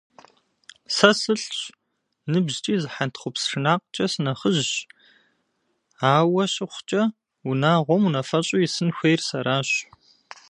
Сэ сылӏщ, ныбжькӏи зы хьэнтхъупс шынакъкӏэ сынэхъыжьщ, ауэ щыхъукӏэ, унагъуэм унафэщӏу исын хуейр сэращ.